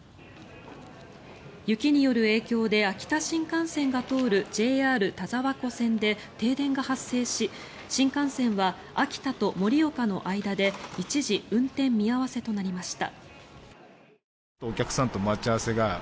雪による影響で秋田新幹線が通るＪＲ田沢湖線で停電が発生し新幹線は秋田と盛岡の間で一時運転見合わせとなりました。